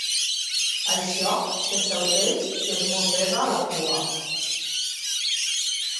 Això és el peix que es mossega la cua